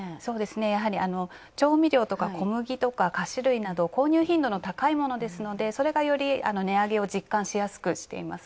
やはり、調味料とか小麦とか菓子類など購入頻度の高いものですのでそれが、より値上げを実感しやすくしています。